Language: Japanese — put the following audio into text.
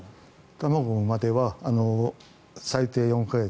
卵を産むまでは最低４か月。